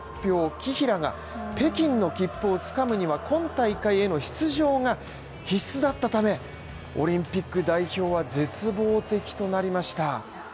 紀平が北京の切符をつかむには今大会への出場が必須だったため、オリンピック代表は絶望的となりました。